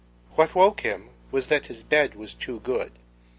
What woke him was that his bed was too good.